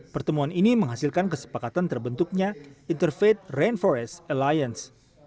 pertemuan ini menghasilkan kesepakatan terbentuknya interfaith rainforest alliance